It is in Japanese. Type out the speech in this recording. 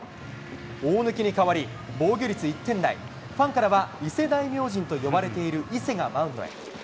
大貫に代わり、防御率１点台、ファンからは伊勢大明神と呼ばれている伊勢がマウンドへ。